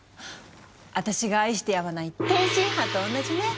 私が愛してやまない天津飯と同じね。